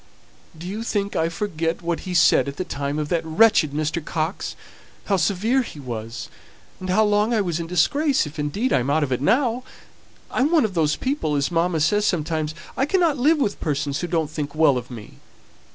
"Do you think I forget what he said at the time of that wretched Mr. Coxe; how severe he was, and how long I was in disgrace, if indeed I'm out of it now? I am one of those people, as mamma says sometimes I cannot live with persons who don't think well of me.